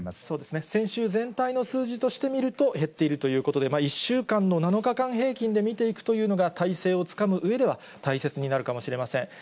そうですね、先週全体の数字として見ると減っているということで、１週間の７日間平均で見ていくというのが、大勢をつかむうえでは、大切になるかもしれません。